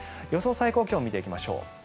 最高気温見ていきましょう。